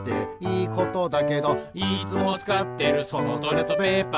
「いつもつかってるそのトイレットペーパー」